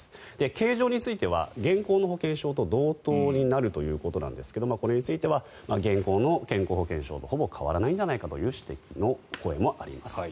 形状については現行の保険証と同等になるということなんですがこれについては現行の健康保険証とほぼ変わらないんじゃないかという指摘の声もあります。